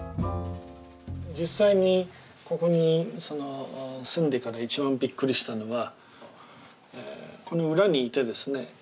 実際にここに住んでから一番びっくりしたのはこの裏にいてですね